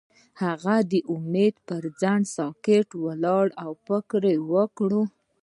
هغه د امید پر څنډه ساکت ولاړ او فکر وکړ.